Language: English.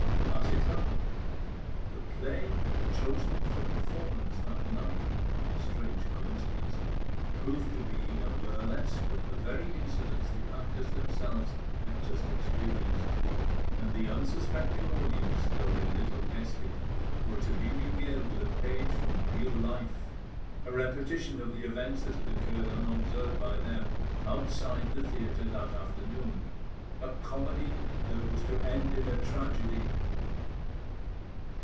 As it happened, the play chosen for performance that night, by a strange coincidence, proved to be a burlesque of the very incidents the actors themselves had just experienced, and the unsuspecting audience, though they little guessed it, were to be regaled with a page from real life, a repetition of the events that had occurred unobserved by them outside the theatre that afternoon a comedy that was to end in a tragedy!